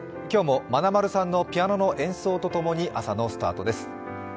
今日もまなまるさんのピアノの演奏と共に朝のスタートです。